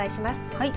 はい。